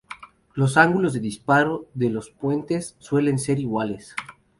Los ángulos de disparo de los puentes suelen ser iguales.